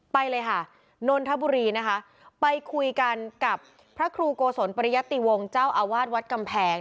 ไปเลยค่ะนนทบุรีนะคะไปคุยกันกับพระครูโกศลปริยติวงศ์เจ้าอาวาสวัดกำแพง